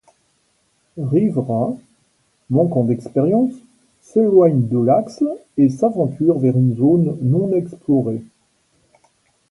Rivera, manquant d'expérience, s'éloigne de l'axe et s'aventure vers une zone non explorée.